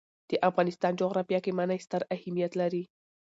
د افغانستان جغرافیه کې منی ستر اهمیت لري.